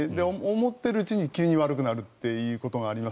思ってるうちに急に悪くなるということがあります。